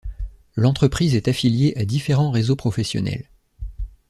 L'entreprise est affiliée à différents réseaux professionnels.